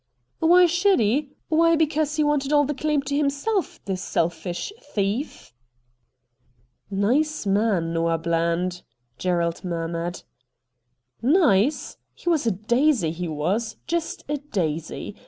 ' Why should he ? Why, because he wanted all the claim to himself, the selfish thief.' 72 RED DIAMONDS ' Nice man, Noah Bland,' Gerald murmured. ' Nice ! He was a daisy, he was — just a daisy.